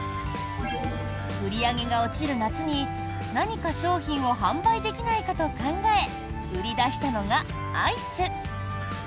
売り上げが落ちる夏に何か商品を販売できないかと考え売り出したのがアイス。